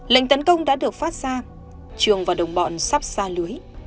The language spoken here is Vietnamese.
lệnh tấn công đã được phát ra trường và đồng bọn sắp xa lưới